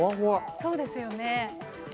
そうですよね。